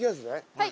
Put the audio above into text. はい！